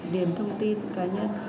điền thông tin cá nhân